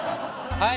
はい。